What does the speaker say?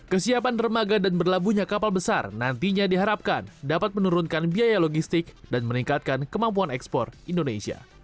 kesiapan remaga dan berlabuhnya kapal besar nantinya diharapkan dapat menurunkan biaya logistik dan meningkatkan kemampuan ekspor indonesia